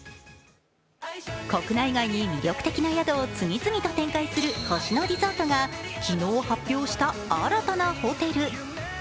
国内外に魅力的な宿を次々と展開する星野リゾートが昨日発表した新たなホテル。